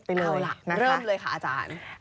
เริ่มเลยค่ะอาจารย์